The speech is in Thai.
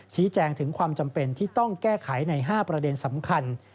ชี้แจงถึงความจำเป็นที่ต้องแก้ไขใน๕ประเด็นสำคัญ